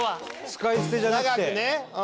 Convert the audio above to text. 使い捨てじゃなくて。